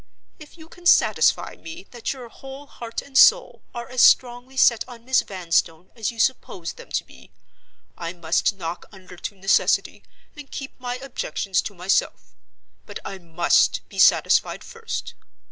If you can satisfy me that your whole heart and soul are as strongly set on Miss Vanstone as you suppose them to be, I must knock under to necessity, and keep my objections to myself. But I must be satisfied first.